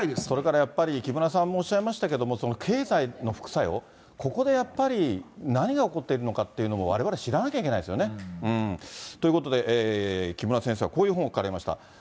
それからやっぱり、木村さんもおっしゃいましたけど、その経済の副作用、ここでやっぱり、何が起こってるのかっていうのを、われわれ知らなきゃいけないですよね。ということで、木村先生はこういう本を書かれました。